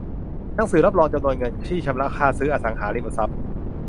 หนังสือรับรองจำนวนเงินที่ชำระค่าซื้ออสังหาริมทรัพย์